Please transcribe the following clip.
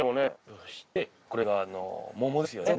そしてこれが桃ですよね。